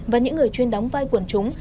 và những người chuyên đóng vai quần chúng